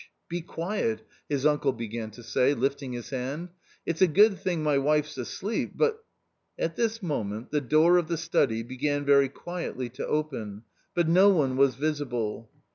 be quiet,' 7 his uncle began to say, lifting his hand ;" it's a good thing my wife's asleep, but " At this moment the door of the study began very quietly to open, but no one was visible.